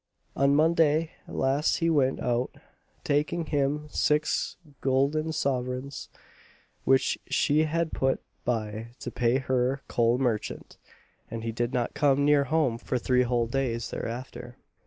On Monday last he went out, taking with him six goolden sovereigns, which she had put by to pay her coal merchant, and he did not come near home for three whole days thereafter.